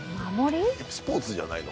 スポーツじゃないの？